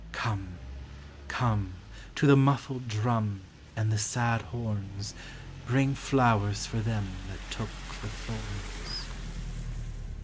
Come, come ; To the muffled drum And the sad horns Bring flowers for them that took the thorns.